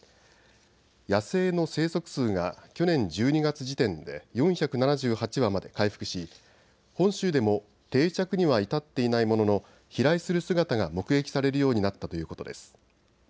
野生の生息数が去年１２月時点で４７８羽まで回復し本州でも定着には至っていないものの飛来する姿が目撃されるようになったということです。